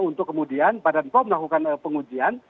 untuk kemudian badan pom melakukan pengujian